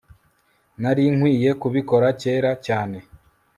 nari nkwiye kubikora kera cyane